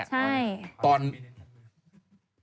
ใช่